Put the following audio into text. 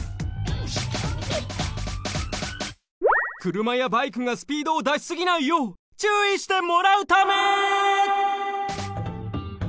くるまやバイクがスピードをだしすぎないよう注意してもらうため！